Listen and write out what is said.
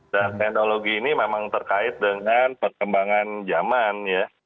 dan teknologi ini memang terkait dengan perkembangan jaman ya